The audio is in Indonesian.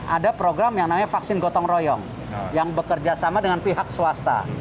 ada program yang namanya vaksin gotong royong yang bekerja sama dengan pihak swasta